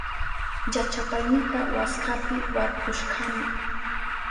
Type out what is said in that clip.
Llachapaynita waskapi warkushkani.